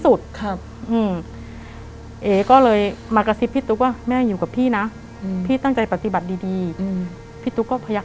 รู้แค่แม่เศสีชีวิต